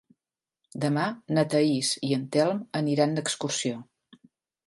Demà na Thaís i en Telm aniran d'excursió.